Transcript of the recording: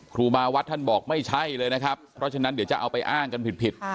ครูมาวัดท่านบอกไม่ใช่เลยนะครับเพราะฉะนั้นเดี๋ยวจะเอาไปอ้างกันผิด